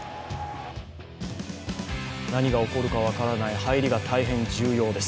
何が起こるか分からない、入りが大変重要です。